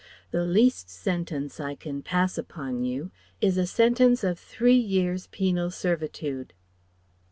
The least sentence I can pass upon you is a sentence of Three years' penal servitude."